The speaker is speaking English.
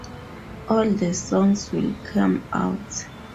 All the songs will come out.